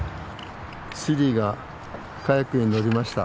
シリーがカヤックに乗りました。